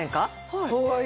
はい。